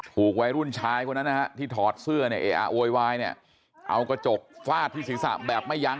ถูกไว้รุ่นชายคนนั้นนะครับที่ถอดเสื้อเนี่ยเนี่ยเอากระจกฟาดที่ศีรษะแบบไม่ยั้ง